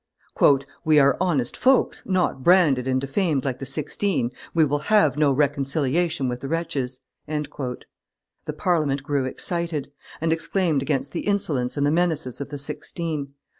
"We are honest folks, not branded and defamed like the Sixteen; we will have no reconciliation with the wretches." The Parliament grew excited, and exclaimed against the insolence and the menaces of the Sixteen.